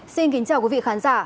xin kính chào quý vị khán giả